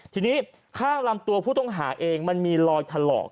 ทีนี้ข้างลำตัวผู้ต้องหาเองมันมีรอยถลอก